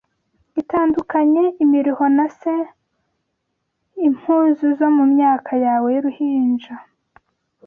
itandukanye Imiruho na st impuzu zo mu myaka yawe y'uruhinja!